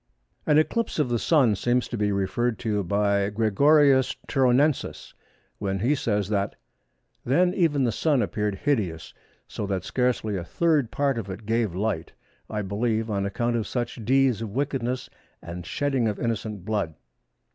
An eclipse of the Sun seems to be referred to by Gregorius Turonensis, when he says that:—"Then even the Sun appeared hideous, so that scarcely a third part of it gave light, I believe on account of such deeds of wickedness and shedding of innocent blood."